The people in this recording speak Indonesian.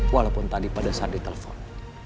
walaupun tadi pada saat dia telpon